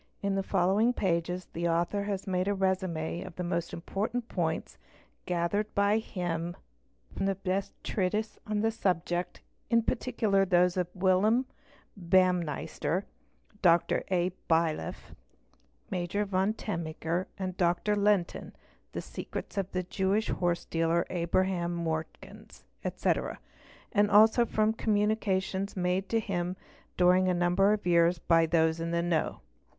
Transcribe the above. ' In the following pages the author has made a resumé of the most " important points, gathered by him from the best treatises on the subject, 'im particular those of Wilhelm Baumeister (Dr. A. Rueff), Major von Tenneker and Dr. Lentin ("'The secrets of the Jewish Horsedealer Abraham Mortgens"', etc.,) and also from communications made to him ) during a number of years by those in the know.